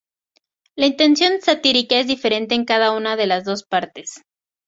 La intención satírica es diferente en cada una de las dos partes.